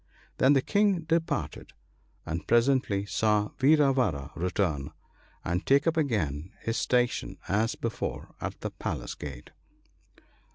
Then the King departed, and presently saw Vira vara return, and take up again his station as before at the palace gate.